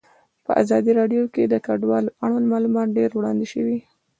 په ازادي راډیو کې د کډوال اړوند معلومات ډېر وړاندې شوي.